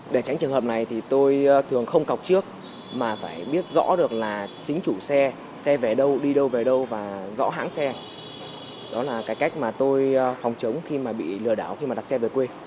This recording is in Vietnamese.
để tránh trường hợp này thì tôi thường không cọc trước mà phải biết rõ được là chính chủ xe xe về đâu đi đâu về đâu và rõ hãng xe đó là cái cách mà tôi phòng chống khi mà bị lừa đảo khi mà đặt xe về quê